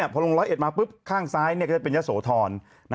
พอลงร้อยเอ็ดมาปุ๊บข้างซ้ายก็จะเป็นยะโสธร